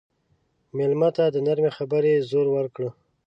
مېلمه ته د نرمې خبرې زور ورکړه.